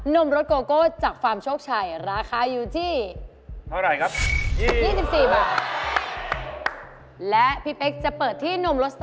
นมรสโกโกะจากฟาร์มโชคชัยราคาอยู่ที่